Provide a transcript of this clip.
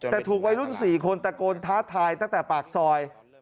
แต่ถูกวัยรุ่น๔คนตะโกนท้าทายตั้งแต่ปากซอย